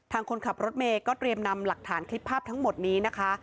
คนขับรถเมย์ก็เตรียมนำหลักฐานคลิปภาพทั้งหมดนี้นะคะ